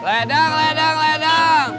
ledang ledang ledang